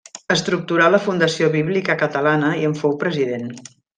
Estructurà la Fundació Bíblica Catalana i en fou president.